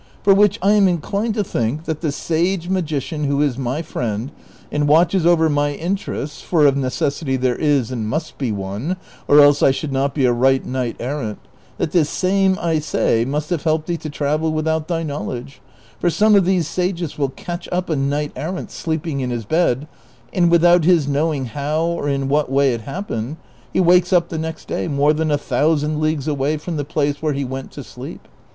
From which I am inclined to think that the satire mao ician who is mv friend, and watches over mv interests (for of necessity there is and must be one, or else I should not be a right knight errant), that this same, I say, must have helped thee to travel without thy knowledge; for some of these sages will catch up a knight errant sleeping in his bed, and without his knowing how or in what way it happened, he wakes up the next day more than a thousand leagues away from the place where he went to sleep.